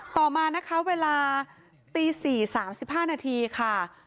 ต่อมานะคะเวลาตี๔๓๕นาทีค่ะ